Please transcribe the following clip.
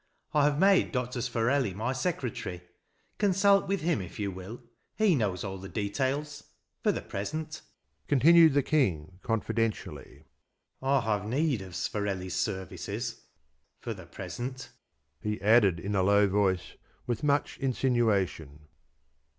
I have made Doctor Sforelli my secretary: consult with him if you will: he knows all the details. For the present," continued the King, confidentially, "I have need of Sforelli's services. For the present," he added in a low voice, with much insinuation.